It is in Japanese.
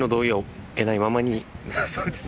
そうです。